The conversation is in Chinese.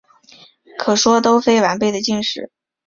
可说都非完备的晋史。